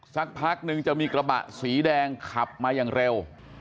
สักพักนึงจะมีกระบะสีแดงขับมาอย่างเร็ว